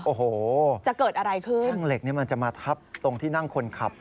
โอ้โหจะเกิดอะไรขึ้นแท่งเหล็กนี่มันจะมาทับตรงที่นั่งคนขับ